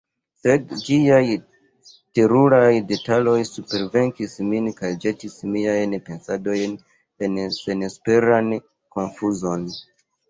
Sed ĝiaj teruraj detaloj supervenkis min kaj ĵetis miajn pensadojn en senesperan konfuzon.